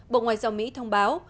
bộ ngoại giao mỹ thông báo